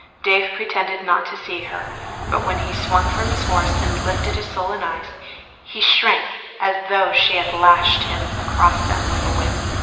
Dave pretended not to see her, but when he swung from his horse and lifted his sullen eyes, he shrank as though she had lashed him across them with a whip.